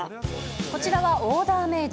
こちらはオーダーメード。